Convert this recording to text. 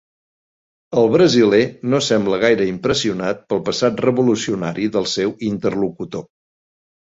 El brasiler no sembla gaire impressionat pel passat revolucionari del seu interlocutor.